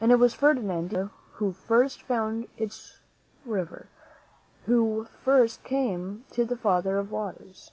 And it was Ferdinand de Soto who first found this river, who first came to the Father of Waters.